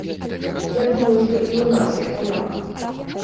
Я думаю, што і ў нас яго няма.